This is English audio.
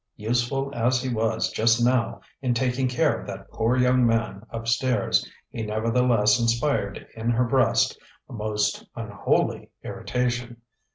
Useful as he was just now in taking care of that poor young man up stairs, he nevertheless inspired in her breast a most unholy irritation.